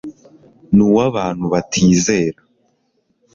nu wa bantu batizera